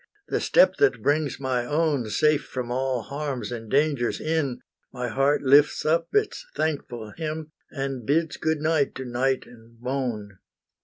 the step that brings my own, Safe from all harms and dangers in; My heart lifts up its thankful hymn, And bids' good night to night and moan.